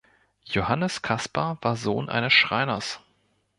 Johannes Kaspar war Sohn eines Schreiners.